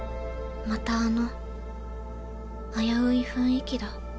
またあの危うい雰囲気だ。